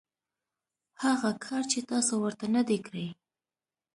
هغه کار چې تاسو ورته نه دی کړی .